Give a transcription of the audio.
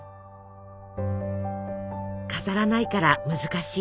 飾らないから難しい。